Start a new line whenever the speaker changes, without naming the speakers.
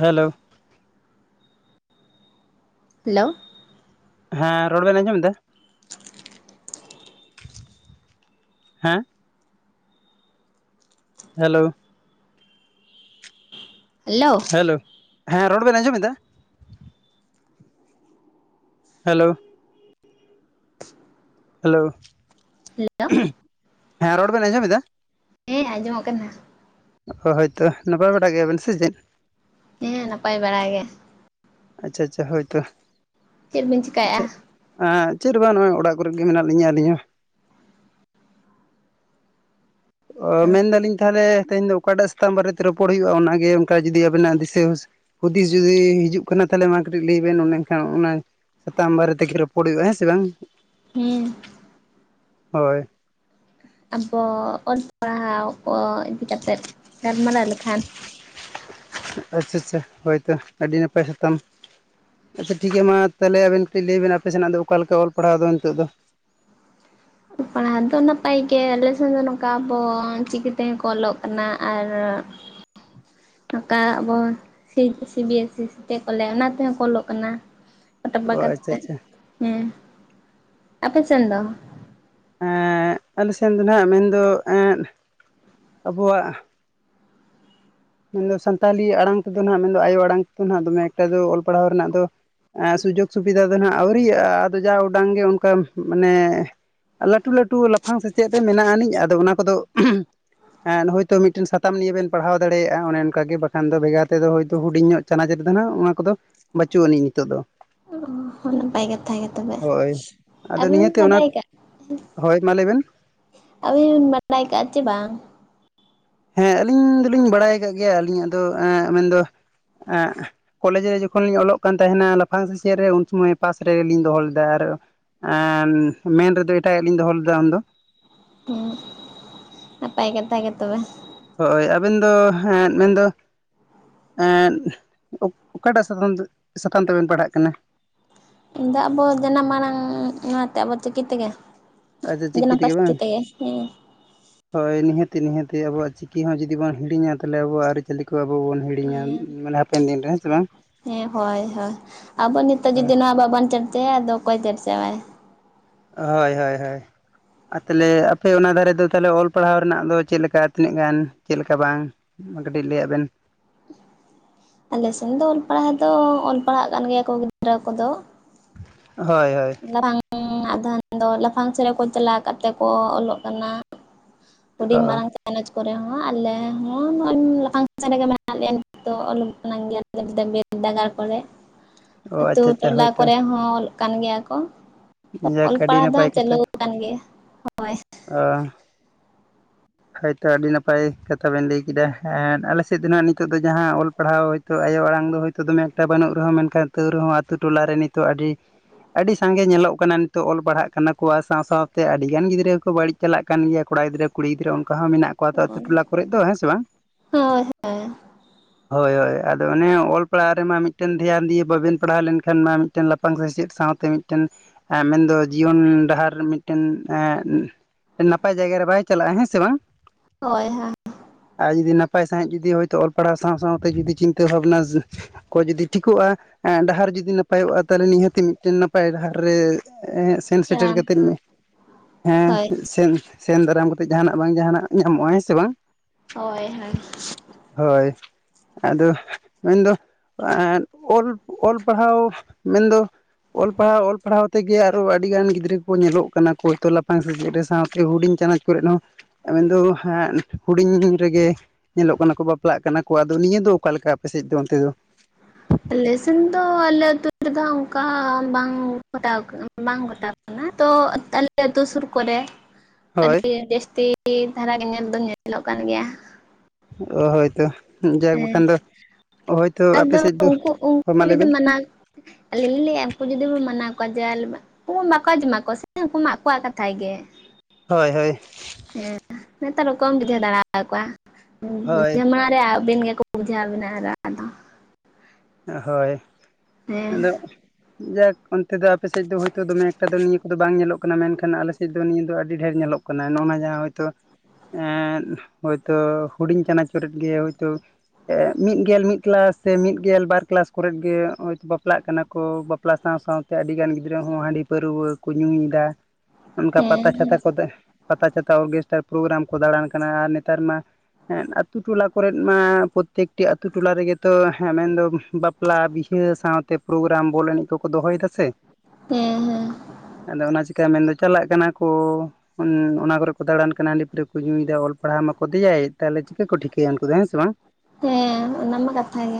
ᱦᱮ ᱞᱳ
hello
ᱦᱮᱸ ᱨᱚᱲ ᱵᱮᱱ ᱟᱸᱡᱚᱢ ᱮᱫᱟ ᱦᱮᱸ ᱦᱮᱞᱳ
ᱦᱮᱞᱳ
ᱦᱮᱞᱳ ᱦᱮᱸ ᱨᱚᱲ ᱵᱮᱱ ᱟᱸᱡᱚᱢ ᱮᱫᱟ ᱦᱮᱞᱳ ᱦᱮᱞᱳ
ᱦᱮᱞᱳ
ᱦᱮᱸ ᱨᱚᱲ ᱵᱮᱱ ᱟᱸᱡᱚᱢ ᱮᱫᱟ
ᱦᱮᱸ ᱟᱸᱡᱚᱢᱚᱜ ᱠᱟᱱᱟ
ᱦᱳᱭᱛᱚ ᱱᱟᱯᱟᱭ ᱵᱟᱲᱟ ᱜᱮᱭᱟᱵᱮᱱ ᱥᱮ ᱪᱮᱜ
ᱦᱮᱸ ᱱᱟᱯᱟᱭ ᱵᱟᱲᱟ ᱜᱮ
ᱟᱪᱪᱷᱟ ᱟᱪᱪᱷᱟ ᱦᱳᱭᱛᱚ
ᱪᱮᱫᱵᱤᱱ ᱪᱮᱠᱟᱭᱮᱜᱼᱟ
ᱮ ᱪᱮᱫ ᱜᱮ ᱵᱟᱝ ᱱᱚᱜᱼᱚᱭ ᱚᱲᱟᱜ ᱠᱚᱨᱮ ᱜᱮ ᱢᱮᱱᱟᱜ ᱞᱤᱧᱟᱹ ᱟᱹᱞᱤᱧ ᱦᱚᱸ ᱚ ᱢᱮᱱᱫᱟᱞᱤᱧ ᱛᱟᱦᱚᱞᱮ ᱛᱮᱦᱮᱧ ᱫᱚ ᱚᱠᱟᱴᱟᱜ ᱥᱟᱛᱟᱢ ᱵᱟᱨᱮᱛᱮ ᱨᱚᱯᱚᱲ ᱦᱩᱭᱩᱜᱼᱟ ᱚᱱᱟᱜᱮ ᱚᱱᱠᱟ ᱡᱩᱫᱤ ᱟᱵᱮᱱᱟᱜ ᱫᱤᱥᱟᱹ ᱦᱩᱥ ᱦᱩᱫᱤᱥ ᱡᱩᱫᱤ ᱦᱤᱡᱩᱜ ᱠᱟᱱᱟ ᱛᱟᱦᱚᱞᱮ ᱚᱱᱟ ᱠᱟᱹᱴᱤᱡ ᱞᱟᱹᱭ ᱵᱮᱱ ᱚᱱᱮ ᱚᱝᱠᱟ ᱚᱱᱟ ᱥᱟᱛᱟᱢ ᱵᱟᱨᱮ ᱛᱮᱜᱮ ᱨᱚᱯᱚᱲ ᱦᱩᱭᱩᱜᱼᱟ ᱦᱮᱸ ᱥᱮ ᱵᱟᱝ
ᱦᱮᱸ
ᱦᱳᱭ
ᱟᱵᱚ ᱚᱞ ᱯᱟᱲᱦᱟᱣ ᱠᱚ ᱤᱫᱤ ᱠᱟᱛᱮᱫ ᱜᱟᱞᱢᱟᱨᱟᱣ ᱞᱮᱠᱷᱟᱱ
ᱟᱪᱪᱷᱟ ᱟᱪᱪᱷᱟ ᱦᱳᱭᱛᱚ ᱟᱹᱰᱤ ᱱᱟᱯᱟᱭ ᱥᱟᱛᱟᱢ ᱟᱪᱪᱷᱟ ᱴᱷᱤᱠ ᱜᱮᱭᱟ ᱢᱟ ᱛᱟᱦᱚᱞᱮ ᱠᱟᱹᱴᱤᱡ ᱞᱟᱹᱭᱵᱤᱱ ᱟᱯᱮ ᱥᱮᱱᱟᱜ ᱫᱚ ᱚᱠᱟ ᱞᱮᱠᱟ ᱚᱞ ᱯᱟᱲᱦᱟᱣ ᱫᱚ ᱱᱤᱛᱚᱜ ᱫᱚ
ᱯᱟᱲᱦᱟᱣ ᱫᱚ ᱱᱟᱯᱟᱭ ᱜᱮ ᱟᱞᱮ ᱥᱮᱱ ᱫᱚ ᱱᱚᱝᱠᱟ ᱟᱵᱚ ᱪᱤᱠᱤ ᱛᱮᱜ ᱠᱚ ᱚᱞᱚᱜ ᱠᱟᱱᱟ ᱟᱨ ᱱᱚᱝᱠᱟ ᱵᱚᱱ ᱥᱤ ᱵᱤ ᱮᱥ ᱥᱤ ᱛᱮ ᱠᱚ ᱞᱟᱹᱭᱟ ᱚᱱᱟ ᱛᱮᱦᱚᱸ ᱠᱚ ᱚᱞᱚᱜ ᱠᱟᱱᱟ ᱯᱟᱴᱟᱵᱟ
ᱚ ᱟᱪᱪᱷᱟ
ᱠᱟᱛᱮ
ᱟᱪᱪᱷᱟ
ᱦᱮᱸ ᱟᱯᱮ ᱥᱮᱱ ᱫᱚ
ᱮ ᱟᱞᱮᱥᱮᱱ ᱫᱚ ᱱᱟᱜ ᱢᱮᱱᱫᱚ ᱟᱵᱚᱣᱟᱜ ᱢᱮᱱᱫᱚ ᱥᱟᱱᱛᱟᱞᱤ ᱟᱲᱟᱝ ᱛᱮᱫᱚ ᱱᱟᱦᱜ ᱢᱮᱱᱫᱚ ᱟᱭᱳ ᱟᱲᱟᱝ ᱛᱮᱫᱚ ᱫᱚᱢᱮ ᱮᱠᱴᱟ ᱫᱚ ᱚᱞ ᱯᱟᱲᱦᱟᱣ ᱨᱮᱱᱟᱜ ᱫᱚ ᱥᱩᱡᱳᱜᱽ ᱥᱩᱵᱤᱫᱷᱟ ᱫᱚ ᱱᱟᱜ ᱟᱹᱣᱨᱤᱤᱭ-ᱟ ᱟᱫᱚ ᱡᱟ ᱩᱰᱟᱝ ᱜᱮ ᱚᱱᱠᱟ ᱢᱟᱱᱮ ᱞᱟᱹᱴᱩ ᱞᱟᱹᱴᱩ ᱞᱟᱯᱷᱟᱝ ᱥᱮᱪᱮᱫ ᱨᱮ ᱢᱮᱱᱟᱜ ᱟᱹᱱᱤᱡ ᱟᱫᱚ ᱚᱱᱟ ᱠᱚᱫᱚ ᱦᱮᱸ ᱦᱳᱭᱛᱳ ᱢᱤᱫᱴᱮᱱ ᱥᱟᱛᱟᱢ ᱱᱤᱭ ᱵᱮᱱ ᱯᱟᱲᱦᱟᱣ ᱮᱫᱟ ᱫᱟᱲᱮᱭᱟᱜ-ᱟ ᱚᱱᱮ ᱚᱱᱠᱟᱜᱮ ᱵᱟᱠᱷᱟᱱ ᱫᱚ ᱵᱷᱮᱜᱟᱨ ᱛᱮᱫ ᱦᱳᱭᱛᱳ ᱦᱩᱰᱤᱧᱚᱜ ᱪᱟᱱᱟᱪ ᱨᱮᱫᱚ ᱦᱱᱟᱜ ᱚᱱᱟ ᱠᱚᱫᱚ ᱵᱟᱹᱪᱩᱜ ᱟᱹᱱᱤᱡ ᱱᱤᱛᱚᱜ ᱫᱚ
ᱦᱚᱸ ᱱᱟᱯᱟᱭ ᱠᱟᱛᱷᱟ ᱜᱮ ᱛᱚᱵᱮ
ᱦᱳᱭ ᱟᱫᱚ
ᱟᱵᱤᱱ ᱵᱤᱱ
ᱱᱤᱦᱟᱹᱛᱤ ᱚᱱᱟ
ᱵᱟᱰᱟᱭ ᱠᱟᱜ
ᱦᱳᱭ ᱢᱟ ᱞᱟᱹᱭ ᱵᱮᱱ
ᱟᱹᱵᱤᱱ ᱦᱚᱸᱵᱤᱱ ᱵᱟᱰᱟᱭ ᱟᱠᱟᱜ-ᱟ ᱥᱮ ᱵᱟᱝ
ᱦᱮᱸ ᱟᱹᱞᱤᱧ ᱫᱚᱞᱤᱧ ᱵᱟᱲᱟᱭ ᱟᱠᱟᱫ ᱜᱮᱭᱟ ᱟᱹᱞᱤᱧᱟᱜ ᱫᱚ ᱮᱸᱜ ᱢᱮᱱᱫᱚ ᱮᱸᱫ ᱠᱚᱞᱮᱮᱡ ᱨᱮ ᱡᱚᱠᱷᱚᱱ ᱞᱤᱧ ᱚᱞᱚᱜ ᱠᱟᱱ ᱛᱟᱦᱮᱱᱟ ᱞᱟᱯᱷᱟᱝ ᱥᱮᱪᱮᱫ ᱨᱮ ᱩᱱ ᱥᱚᱢᱚᱭ ᱯᱟᱥ ᱨᱮᱜᱮᱞᱤᱧ ᱫᱚᱦᱚ ᱞᱮᱫᱟ ᱟᱨ ᱢᱮᱱ ᱨᱮᱫᱚ ᱮᱴᱟᱜᱟᱜ ᱞᱤᱧ ᱫᱚᱦᱚ ᱞᱮᱫᱟ ᱩᱱᱫᱚ
ᱦᱮᱸ ᱱᱟᱯᱟᱭ ᱠᱟᱛᱷᱟ ᱜᱮ ᱛᱚᱵᱮ
ᱦᱳᱭ ᱟᱵᱮᱱ ᱫᱚ ᱦᱮᱸ ᱢᱮᱱᱫᱚ ᱮᱸᱫ ᱚᱠᱟᱴᱟᱜ ᱥᱟᱛ ᱥᱟᱛᱟᱢ ᱛᱮᱵᱮᱱ ᱯᱟᱲᱦᱟᱜ ᱠᱟᱱᱟ?
ᱤᱧ ᱫᱚ ᱟᱵᱚ ᱡᱟᱱᱟᱢ ᱢᱟᱲᱟᱝ ᱚᱱᱟᱛᱮ, ᱟᱵᱚ ᱪᱤᱠᱤ ᱛᱮᱜᱮ᱾
ᱟᱪᱪᱷᱟ ᱪᱤᱠᱤ
ᱡᱟᱱᱟᱢ
ᱛᱮᱜᱮ
ᱯᱟᱥᱴᱤ
ᱵᱟᱝ
ᱛᱮ ᱜᱮ, ᱦᱩᱸ
ᱦᱳᱭ ᱱᱤᱦᱟᱹᱛᱤ ᱱᱤᱦᱟᱹᱛᱤ ᱟᱵᱚᱣᱟᱜ ᱪᱤᱠᱤ ᱦᱚᱸ ᱡᱩᱫᱤ ᱵᱚᱱ ᱦᱤᱲᱤᱟ ᱛᱟᱦᱚᱞᱮ ᱟᱵᱚᱣᱟᱜ ᱟᱹᱨᱤ ᱪᱟᱹᱞᱤ ᱠᱚ ᱟᱵᱚ ᱵᱚᱱ ᱦᱤᱲᱤᱧᱟ
ᱦᱮᱸ
ᱢᱟᱱᱮ ᱦᱟᱯᱮᱱ ᱫᱤᱱ ᱨᱮ ᱦᱮᱸ ᱥᱮ ᱵᱟᱝ
ᱦᱮᱸ ᱦᱳᱭ ᱦᱳᱭ ᱟᱵᱚ ᱱᱤᱛᱚᱜ ᱡᱩᱫᱤ ᱱᱚᱣᱟ ᱵᱟᱵᱚᱱ ᱪᱚᱨᱪᱟᱭᱟ ᱟᱫᱚ ᱚᱠᱚᱭ ᱪᱚᱨᱪᱟᱭᱟ
ᱦᱳᱭ ᱦᱳᱭ ᱦᱳᱭ ᱟᱨ ᱛᱟᱦᱚᱞᱮ ᱟᱯᱮ ᱚᱱᱟ ᱫᱷᱟᱨᱮ ᱫᱚ ᱛᱟᱦᱚᱞᱮ ᱚᱞ ᱯᱟᱲᱦᱟᱣ ᱨᱮᱱᱟᱜ ᱫᱚ ᱪᱮᱫ ᱞᱮᱠᱟ ᱛᱤᱱᱟᱹᱜ ᱜᱟᱱ ᱪᱮᱫ ᱞᱮᱠᱟ ᱵᱟᱝ ᱠᱟᱹᱴᱤᱡ ᱞᱟᱹᱭᱟ ᱵᱮᱱ
ᱟᱞᱮ ᱥᱮᱱ ᱫᱚ ᱚᱞ ᱯᱟᱲᱦᱟᱣ ᱫᱚ ᱚᱞ ᱯᱟᱲᱦᱟᱜ ᱠᱟᱱ ᱜᱮᱭᱟ ᱠᱚ ᱜᱤᱫᱽᱨᱟᱹ ᱠᱚᱫᱚ
ᱦᱳᱭ ᱦᱳᱭ
ᱢᱟᱨᱟᱝ [inaudible] ᱟᱫᱚ ᱞᱟᱯᱷᱟᱝ ᱪᱮᱞᱟᱝ [unintelligible] ᱠᱚ ᱪᱟᱞᱟᱣ ᱠᱟᱛᱮ ᱠᱚ ᱚᱞᱚᱜ ᱠᱟᱱᱟ᱾
ᱚ
ᱦᱩᱰᱤᱧ ᱢᱟᱨᱟᱝ ᱠᱚᱞᱮᱚᱡᱽ ᱠᱚᱨᱮ ᱦᱚᱸ ᱟᱞᱮ ᱦᱚᱸ ᱱᱚᱜ-ᱚᱭ ᱞᱟᱯᱷᱟᱝ [inaudible] ᱥᱟᱪ ᱨᱮᱜᱮ ᱢᱮᱱᱟᱜ ᱞᱮᱭᱟ ᱱᱤᱛ ᱫᱚ ᱚᱞ ᱜᱮᱭᱟ ᱵᱤᱫ ᱫᱟᱜᱟᱨ ᱠᱚᱨᱮ
ᱚ
ᱟᱛᱳ
ᱟᱪᱪᱷᱟ ᱟᱪᱪᱷᱟ
ᱴᱚᱞᱟ
ᱦᱳᱭᱛᱚ
ᱠᱚᱨᱮ ᱦᱚᱸ ᱠᱟᱱ ᱜᱮᱭᱟ ᱠᱚ
ᱡᱟᱠ
ᱚᱞ
ᱟᱹᱰᱤ
ᱯᱟᱲᱦᱟᱣ ᱫᱚ
ᱱᱟᱯᱟᱭ
ᱦᱟᱸᱜ ᱪᱟᱹᱞᱩᱣ ᱟᱠᱟᱱ ᱜᱮᱭᱟ ᱦᱳᱭ᱾
ᱟ ᱦᱳᱭᱛᱳ ᱟᱹᱰᱤ ᱱᱟᱯᱟᱭ ᱠᱟᱛᱷᱟ ᱵᱮᱱ ᱞᱟᱹᱭ ᱠᱮᱫᱟᱸ᱾ ᱟᱞᱮ ᱥᱮᱫ ᱫᱚ ᱱᱟᱦᱜ ᱱᱤᱛᱚᱜ ᱫᱚ ᱡᱟᱦᱟᱸ ᱚᱞ ᱯᱟᱲᱦᱟᱣ ᱛᱳ ᱟᱭᱳ ᱟᱲᱟᱝ ᱫᱚ ᱦᱳᱭᱛᱳ ᱫᱚᱢᱮ ᱮᱠᱴᱟ ᱵᱟᱹᱱᱩᱜ ᱨᱮᱦᱚᱸ ᱢᱮᱱᱠᱷᱟᱱ ᱛᱟᱹᱣ ᱨᱮᱦᱚᱸ ᱟᱹᱛᱩᱳ ᱴᱚᱟᱨᱮ ᱱᱤᱛᱚᱜ ᱟᱹᱰᱤ ᱟᱹᱰᱤ ᱥᱟᱸᱜᱮ ᱧᱮᱞᱚᱜ ᱠᱟᱱᱟ ᱱᱤᱛᱚᱜ ᱚᱞ ᱯᱟᱲᱦᱟᱜ ᱠᱟᱱᱟ ᱠᱚ ᱟᱨ ᱥᱟᱶ ᱥᱟᱶᱛᱮ ᱟᱹᱰᱤ ᱜᱟᱱ ᱜᱤᱫᱽᱨᱟᱹ ᱜᱮᱠᱚ ᱵᱟᱹᱲᱤᱡ ᱪᱟᱞᱟᱜ ᱠᱟᱱ ᱜᱮᱭᱟ ᱠᱚᱲᱟ ᱜᱤᱫᱽᱨᱟᱹ ᱠᱩᱲᱤ ᱜᱤᱫᱽᱨᱟᱹ ᱚᱱᱠᱟ ᱦᱚᱸ ᱢᱮᱱᱟᱜ ᱠᱚᱣᱟ ᱟᱛᱳ
ᱦᱳᱭ
ᱴᱚᱞᱟ ᱠᱚᱨᱮᱜ ᱫᱚ ᱦᱮᱸ ᱥᱮ ᱵᱟᱝ? ᱦᱳᱭ ᱦᱳᱭ ᱟᱫᱚ ᱚᱱᱮ ᱚᱞ ᱯᱟᱲᱦᱟᱜ ᱨᱮᱢᱟ ᱢᱤᱫᱴᱮᱱ ᱫᱷᱮᱭᱟᱱ ᱫᱤᱭᱳ ᱵᱟᱵᱮᱱ ᱯᱟᱲᱦᱟᱣ ᱞᱮᱱᱠᱷᱟᱱ ᱢᱟ ᱢᱤᱫᱴᱮᱱ ᱞᱟᱯᱷᱟᱝ ᱥᱮᱪᱮᱫ ᱥᱟᱶᱛᱮ ᱢᱤᱫᱴᱮᱱ ᱢᱮᱱᱫᱚ ᱡᱤᱭᱚᱱ ᱰᱟᱦᱟᱨ ᱢᱤᱫᱴᱮᱱ ᱮᱸ ᱱᱟᱯᱟᱭ ᱡᱟᱭᱜᱟ ᱨᱮ ᱵᱟᱭ ᱪᱟᱞᱟᱜ-ᱟ ᱦᱮᱸ ᱥᱮ ᱵᱟᱝ?
ᱦᱳᱭ ᱦᱮᱸ
ᱟᱨ ᱡᱩᱫᱤ ᱱᱟᱯᱟᱭ ᱥᱟᱺᱦᱤᱡ ᱡᱩᱫᱤ ᱦᱚᱭ ᱛᱚ ᱚᱞ ᱯᱟᱲᱦᱟᱣ ᱥᱟᱶ ᱥᱟᱶᱛᱮ ᱡᱩᱫᱤ ᱪᱤᱱᱛᱟᱹ ᱵᱷᱟᱵᱽᱱᱟ ᱠᱚ ᱡᱩᱫᱤ ᱴᱷᱤᱠᱩᱜᱼᱟ ᱮᱸ ᱰᱟᱦᱟᱨ ᱡᱩᱫᱤ ᱱᱟᱯᱟᱭᱚᱜᱼᱟ ᱛᱟᱦᱚᱞᱮ ᱱᱤᱦᱟᱹᱛ ᱢᱤᱫᱴᱮᱱ ᱱᱟᱯᱟᱭ ᱰᱟᱦᱟᱨ ᱨᱮ ᱮᱸ ᱥᱮᱱ ᱥᱮᱴᱮᱨ ᱠᱟᱛᱮᱫ ᱦᱮᱸ
ᱦᱳᱭ ᱦᱳᱭ
ᱥᱮᱱ, ᱥᱮᱱ ᱫᱟᱨᱟᱢ ᱠᱟᱛᱮ ᱡᱟᱦᱟᱱᱟᱜ ᱵᱟᱝ ᱡᱟᱦᱟᱸᱱᱟᱜ ᱧᱟᱢᱚᱜ-ᱟ ᱦᱮᱸ ᱥᱮ ᱵᱟᱝ?
ᱦᱳᱭ ᱦᱳᱭ᱾
ᱦᱳᱭ ᱟᱫᱚ ᱢᱮᱱᱫᱚ ᱮᱸᱫ ᱚᱞ ᱚᱞ ᱯᱟᱲᱦᱟᱣ ᱢᱮᱱᱫᱚ ᱚᱞ ᱯᱟᱲᱦᱟᱣ ᱚᱞ ᱯᱟᱲᱦᱟᱣ ᱛᱮᱜᱮ ᱟᱨᱚ ᱟᱹᱰᱤ ᱜᱟᱱ ᱜᱤᱫᱽᱨᱟᱹ ᱠᱚ ᱧᱮᱞᱚᱜ ᱠᱟᱱᱟ ᱠᱚ ᱦᱚᱭᱛᱳ ᱞᱟᱯᱷᱟᱝ ᱥᱮᱪᱮᱫ ᱨᱮ ᱥᱟᱶᱛᱮ ᱦᱩᱰᱤᱧ ᱪᱟᱱᱟᱪ ᱠᱚᱨᱮᱫ ᱦᱚᱸ ᱢᱮᱱ ᱫᱚ ᱮᱸᱫ ᱦᱩᱰᱤᱧ ᱨᱮᱜᱮ ᱧᱮᱞᱚᱜ ᱠᱟᱱᱟ ᱠᱚ ᱵᱟᱯᱞᱟᱜ ᱠᱟᱱᱟ ᱠᱚ ᱟᱫᱚ ᱱᱤᱭᱟᱹ ᱫᱚ ᱚᱠᱟ ᱞᱮᱠᱟ ᱟᱯᱮᱥᱮᱫ ᱫᱚ ᱚᱱᱛᱮ ᱫᱚ?
ᱟᱞᱮᱥᱮᱱ ᱫᱚ ᱟᱞᱮ ᱟᱹᱛᱩ ᱨᱮᱫᱚ ᱚᱱᱠᱟ ᱵᱟᱝ ᱜᱷᱚᱴᱟᱣ ᱵᱟᱝ ᱜᱷᱚᱴᱟᱣ ᱚᱱᱟ ᱛᱚ ᱟᱞᱮ ᱟᱹᱛᱩ ᱥᱩᱨ ᱠᱚᱨᱮ
[inaudible]
ᱟᱹᱰᱤ ᱡᱟᱹᱥᱛᱤ ᱫᱷᱟᱨᱟ ᱜᱮ ᱧᱮᱞ ᱫᱚ ᱧᱮᱞᱚᱜ ᱠᱟᱱ ᱜᱮᱭᱟ
ᱚ ᱦᱳᱭᱛᱚ ᱡᱟᱭᱦᱳᱠ
ᱦᱮᱸ
ᱵᱟᱠᱷᱟᱱ ᱫᱚ ᱦᱳᱭᱛᱚ ᱟᱯᱮ ᱥᱮᱫ ᱫᱚ ᱦᱚᱸ ᱢᱟ ᱞᱟ. ᱭ ᱵᱮᱱ
ᱟᱞᱤᱧ ᱞᱤᱧ ᱞᱟᱹᱭᱮᱜᱼᱟ ᱩᱱᱠᱩ ᱡᱩᱫᱤ ᱵᱚᱱ ᱢᱟᱱᱟᱣ ᱠᱚᱣᱟ ᱡᱮ ᱩᱱ ᱵᱟᱠᱚ ᱟᱸᱡᱚᱢ ᱢᱟᱠᱚ ᱥᱮ ᱩᱱᱠᱩ ᱢᱟ ᱟᱠᱚᱣᱟᱜ ᱠᱟᱛᱷᱟᱭ ᱜᱮ
ᱦᱳᱭ ᱦᱳᱭ
ᱦᱮᱸ ᱱᱮᱛᱟᱨ ᱚᱠᱚᱭ ᱮᱢ ᱵᱩᱡᱷᱟᱹᱣ ᱫᱟᱲᱮ ᱟᱠᱚᱣᱟ
ᱦᱳᱭ
ᱵᱩᱡᱷᱟᱹᱣ ᱢᱟᱲᱟᱝ ᱟᱹᱵᱤᱱ ᱜᱮᱠᱚ ᱵᱩᱡᱷᱟᱹᱣᱟ ᱟᱵᱤᱱᱟ ᱟᱨ ᱟᱫᱚ
ᱦᱳᱭ
ᱦᱮᱸ
ᱟᱫᱚ ᱡᱟᱠ ᱚᱱᱛᱮ ᱫᱚ ᱟᱯᱮᱥᱮᱫ ᱫᱚ ᱦᱳᱭ ᱛᱚ ᱫᱚᱢᱮ ᱮᱠᱴᱟ ᱫᱚ ᱱᱤᱭᱟᱹ ᱠᱚᱫᱚ ᱵᱟᱝ ᱧᱮᱞᱚᱜ ᱠᱟᱱᱟ ᱢᱮᱱᱠᱷᱟᱱ ᱟᱞᱮ ᱥᱮᱫ ᱫᱚ ᱱᱤᱭᱟᱹ ᱫᱚ ᱟᱹᱰᱤ ᱰᱷᱮᱨ ᱧᱮᱞᱚᱜ ᱠᱟᱱᱟ ᱠᱟᱱᱟ ᱱᱚᱣᱟᱢᱟ ᱡᱟᱦᱟᱸ ᱦᱳᱭᱛᱚ ᱮᱸᱫ ᱦᱳᱭᱛᱚ ᱦᱩᱰᱤᱧ ᱪᱟᱱᱟᱪᱳᱨ ᱜᱮ ᱦᱭᱛᱳ ᱮ ᱢᱤᱫ ᱜᱮᱞ ᱢᱤᱫ ᱠᱮᱞᱟᱥ ᱥᱮ ᱢᱤᱫ ᱜᱮᱞ ᱵᱟᱨ ᱠᱮᱞᱟᱥ ᱠᱚᱨᱮᱜ ᱜᱮ ᱦᱳᱭᱛᱚ ᱵᱟᱯᱞᱟᱜ ᱠᱟᱱᱟ ᱠᱚ ᱵᱟᱯᱞᱟ ᱥᱟᱶ ᱥᱟᱶᱛᱮ ᱟᱹᱰᱤ ᱟᱹᱰᱤᱜᱟᱱ ᱜᱤᱫᱽᱨᱟᱹ ᱦᱚᱸ ᱦᱟᱺᱰᱤ ᱯᱟᱹᱨᱣᱟᱹ ᱠᱚ ᱧᱩᱭᱮᱫᱟ ᱚᱱᱠᱟ
ᱦᱮᱸ
ᱯᱟᱛᱟ ᱪᱷᱟᱛᱟ ᱠᱚ ᱛᱮ ᱯᱟᱛᱟᱪᱷᱟᱛᱟ ᱚᱨᱜᱮᱥᱴᱟᱨ ᱯᱨᱳᱜᱨᱟᱢ ᱠᱚ ᱫᱟᱬᱟᱱ ᱠᱟᱱᱟ ᱟᱨ ᱱᱮᱛᱟᱨ ᱢᱟ ᱮᱸᱜ ᱟᱛᱳ ᱴᱚᱞᱟ ᱠᱚᱨᱮᱜ ᱢᱟ ᱯᱨᱚᱛᱛᱮᱠᱴᱤ ᱟᱛᱳ ᱴᱚᱞᱟ ᱨᱮᱜᱮ ᱛᱚ ᱦᱮᱸ ᱢᱮᱱᱫᱚ ᱵᱟᱯᱞᱟ ᱵᱤᱦᱟᱹ ᱥᱟᱶᱛᱮ ᱯᱨᱳᱜᱨᱟᱢ ᱵᱚᱞ ᱮᱱᱮᱡ ᱠᱚ ᱠᱚ ᱫᱚᱦᱚᱭᱮᱫᱟ ᱥᱮ
ᱦᱮᱸ ᱦᱮᱸ
ᱟᱫᱚ ᱚᱱᱟ ᱪᱤᱠᱟᱹ ᱢᱮᱱᱫᱚ ᱪᱟᱞᱟᱜ ᱠᱟᱱᱟ ᱠᱚᱻ ᱚᱱᱟ ᱠᱚᱨᱮ ᱠᱚ ᱫᱟᱬᱟᱱ ᱠᱟᱱᱟ ᱦᱟᱺᱰᱤ ᱯᱟᱹᱨᱟᱹ ᱠᱚ ᱧᱩᱭᱮᱫᱫᱟ ᱚᱞ ᱯᱟᱲᱦᱟᱣ ᱢᱟᱠᱚ ᱫᱮᱭᱟᱭᱮᱫ ᱛᱟᱦᱞᱮ ᱪᱤᱠᱟᱹ ᱠᱚ ᱴᱷᱤᱠᱟᱹᱭᱟ ᱩᱱᱠᱩ ᱫᱚ ᱦᱮᱸ ᱥᱮ ᱵᱟᱝ?
ᱦᱮᱸ ᱚᱱᱟ ᱢᱟ ᱠᱟᱛᱷᱟ ᱜᱮ